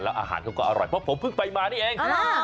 อาหารเขาก็อร่อยเพราะผมเพิ่งไปมานี่เอง